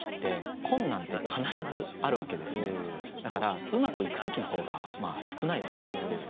だからうまくいく時の方が少ないわけです。